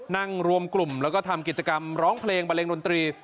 นั่งรวมกลุ่มแล้วก็ทำกิจกรรมร้องเพลงบันเลงดนตรี